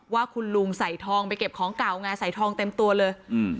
ว่าคุณลุงใส่ทองไปเก็บของเก่าไงใส่ทองเต็มตัวเลยอืม